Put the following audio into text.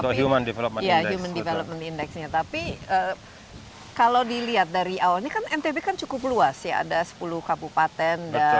kepala kepala kepala kepala kepala kepala kepala kepala kepala kepala kepala kepala kepala kepala